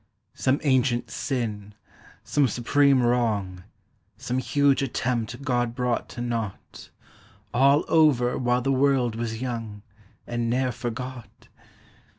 Some ancient sin, some supreme wrong, Some huge attempt God brought to nought, All over while the world was young, And neâer forgot?